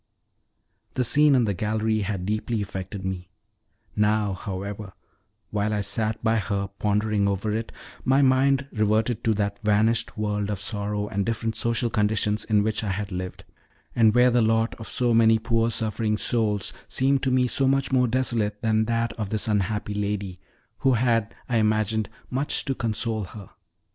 The scene in the gallery had deeply affected me; now, however, while I sat by her, pondering over it, my mind reverted to that vanished world of sorrow and different social conditions in which I had lived, and where the lot of so many poor suffering souls seemed to me so much more desolate than that of this unhappy lady, who had, I imagined, much to console her.